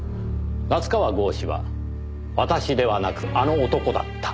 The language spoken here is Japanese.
夏河郷士は「私」ではなく「あの男」だった。